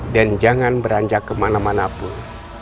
dan jangan beranjak kemana mana pun